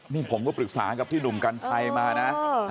นี่ผมก็ปรึกษากับพี่หนุ่มกัญชัยมานะ